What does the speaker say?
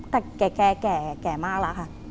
แต่แก่มากแล้วค่ะ